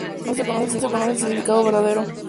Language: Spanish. No se conoce el significado verdadero.